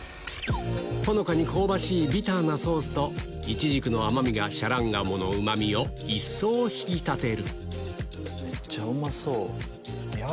ほのかに香ばしいビターなソースとイチジクの甘みがシャラン鴨のうま味を一層引き立てるめっちゃうまそう！